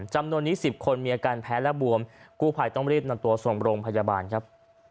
จำนวนนี้๑๐คนมีอาการแพ้และบวมกู้ภัยต้องรีบนำตัวส่งโรงพยาบาลครับ